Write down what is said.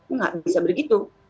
tidak bisa begitu